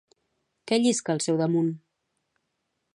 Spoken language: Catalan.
Què llisca al seu damunt?